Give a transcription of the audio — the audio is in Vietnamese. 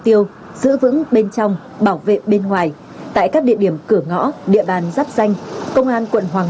tiêu giữ vững bên trong bảo vệ bên ngoài tại các địa điểm cửa ngõ địa bàn giáp danh công an quận hoàng